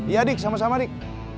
ya dik sama sama dik